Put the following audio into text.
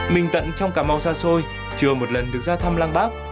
mình tận trong cà mau xa xôi chưa một lần được ra thăm lăng bác